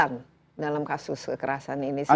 dalam kasus kekerasan ini secara keseluruhan